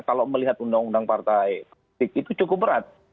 kalau melihat undang undang partai itu cukup berat